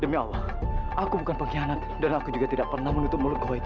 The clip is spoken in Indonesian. demi allah aku bukan pengkhianat dan aku juga tidak pernah menutup mulut goib